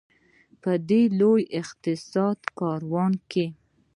په دې لوی اقتصادي کاروان کې.